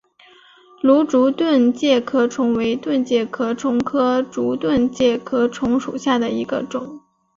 芦竹盾介壳虫为盾介壳虫科竹盾介壳虫属下的一个种。